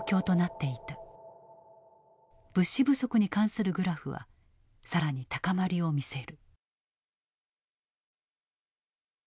物資不足に関するグラフは更に高まりを見せる。